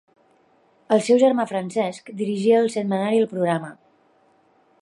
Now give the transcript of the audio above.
El seu germà Francesc dirigia el setmanari El programa.